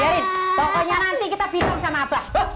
dari pokoknya nanti kita bingung sama abah